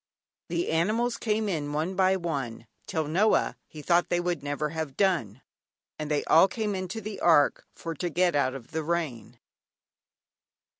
The animals came in one by one Till Noah, he thought they would never have done. And they all came into the Ark. For to get out of the rain.